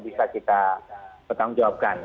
bisa kita tetangguh jawabkan